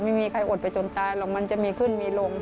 ไม่มีใครอดไปจนตายหรอกมันจะมีขึ้นมีลง